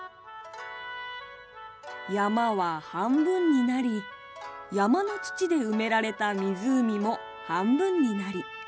山は半分になり山の土で埋められた湖も半分になり